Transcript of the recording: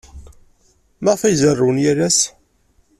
Maɣef ay zerrwen yal ass?